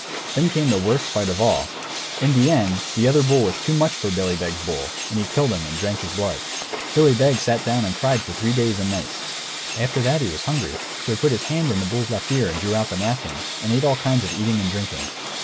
Then came the worst fight of all. In the end, the other bull was too much for Billy Beg's bull, and he killed him and drank his blood. Billy Beg sat down and cried for three days and three nights. After that he was hungry; so he put his hand in the bull's left ear, and drew out the napkin, and ate all kinds of eating and drinking.